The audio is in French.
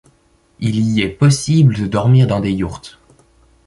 Il y est possible de dormir dans des yourtes.